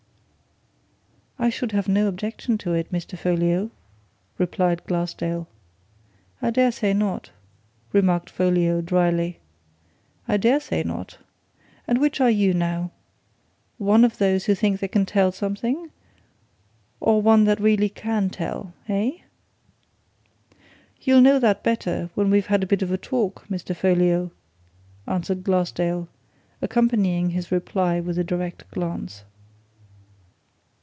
"I should have no objection to it, Mr. Folliot," replied Glassdale. "I dare say not," remarked Folliot, dryly. "I dare say not! And which are you, now? one of those who think they can tell something, or one that really can tell? Eh?" "You'll know that better when we've had a bit of talk, Mr. Folliot," answered Glassdale, accompanying his reply with a direct glance.